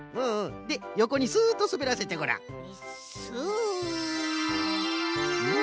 でよこにスッとすべらせてごらん。